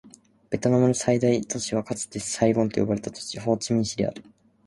ベトナムの最大都市はかつてサイゴンと呼ばれた都市、ホーチミン市である